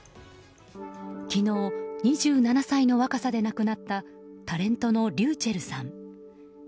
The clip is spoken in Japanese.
昨日、２７歳の若さで亡くなったタレントのｒｙｕｃｈｅｌｌさん。